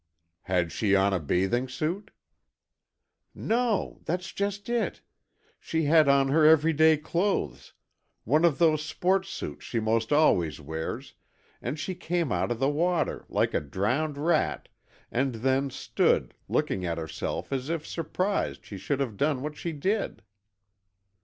"Had she on a bathing suit?" "No, that's just it. She had on her everyday clothes, one of those sports suits she 'most always wears, and she came out of the water, like a drowned rat, and then stood, looking at herself as if surprised she should have done what she did."